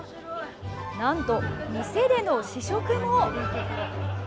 なんと店での試食も！